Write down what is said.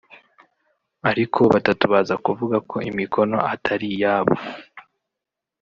ariko batatu baza kuvuga ko imikono atari yabo